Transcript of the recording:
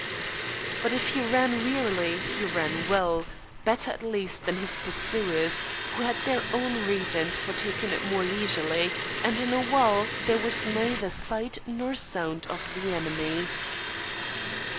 But if he ran wearily he ran well, better at least than his pursuers, who had their own reasons for taking it more leisurely, and in a while there was neither sight nor sound of the enemy.